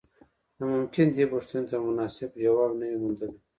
نو ممکن دې پوښتنې ته مو مناسب ځواب نه وي موندلی.